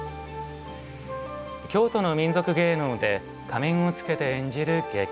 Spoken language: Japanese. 京都の民俗芸能で仮面をつけて演じる劇。